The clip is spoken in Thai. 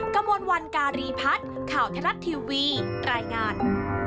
กระมวลวันการีพัฒน์ข่าวไทยรัฐทีวีรายงาน